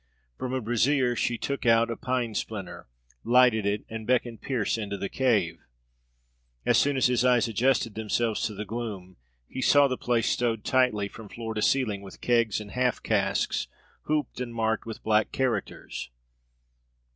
From a brazier she took a pine splinter, lighted it, and beckoned Pearse into the cave. And as soon as his eyes adjusted themselves to the gloom, he saw the place stowed tightly from floor to ceiling with kegs and half casks, hooped and marked with black characters.